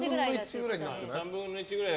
３分の１ぐらい。